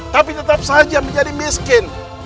tapi tetap saja menjadi miskin